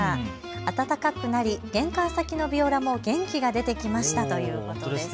暖かくなり玄関先のビオラも元気が出てきましたということです。